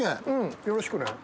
よろしくね。